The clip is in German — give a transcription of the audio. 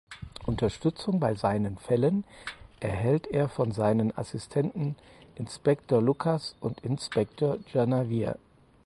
Unterstützung bei seinen Fällen erhält er von seinen Assistenten Inspektor Lucas und Inspektor Janvier.